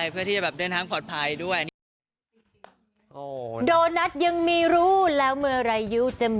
เพื่อที่จะแบบเดินทางปลอดภัยด้วย